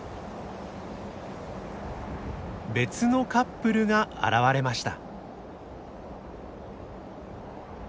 別のカップルが現れました。